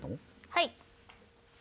はい。